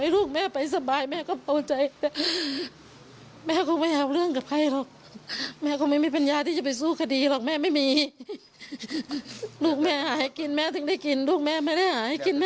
ลูกแม่หาให้กินแม่ถึงได้กินลูกแม่ไม่ได้หาให้กินแม่ก็ไม่ได้กิน